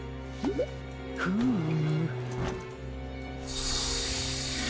フーム。